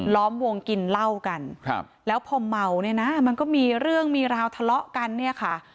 ล้อมวงกินเหล้ากันครับแล้วพอเมาเนี่ยนะมันก็มีเรื่องมีราวทะเลาะกันเนี่ยค่ะ